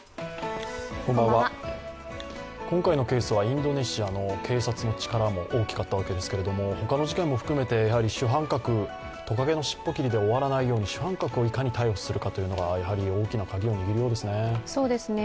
今回のケースはインドネシアの警察の力も大きかったわけですが、他の事件も含めて、主犯格、トカゲの尻尾切りで終わらないように主犯格をいかに逮捕するのかというのが大きなカギを握りそうですね。